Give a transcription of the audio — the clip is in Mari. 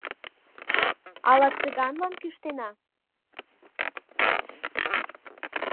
— Ала Цыганлан кӱштена?